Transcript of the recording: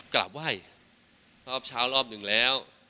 กราบไหว้รอบเช้ารอบหนึ่งแล้ว